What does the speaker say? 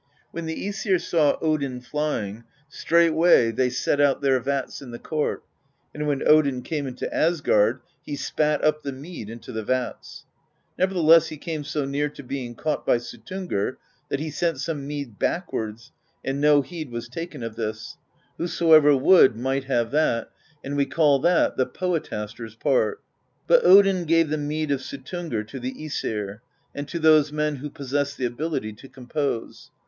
When the iEsir saw Odin flying, straightway they set out their vats in the court; and when Odin came into Asgard, he spat up the mead into the vats. Nevertheless J he came so near to being caught by Suttungr that he sent 1 some mead backwards, and no heed was taken of this: whosoever would might have that, and we call that the poetaster's part.^ But Odin gave the mead of Suttungr to the iEsir and to those men who possess the ability to com pose.